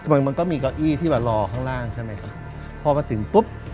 มันก็มีเก้าอี้ที่มารอข้างล่างใช่ไหมครับพอมาถึงปุ๊บ